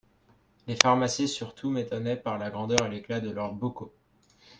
Les pharmacies surtout m'étonnaient par la grandeur et l'éclat de leurs bocaux.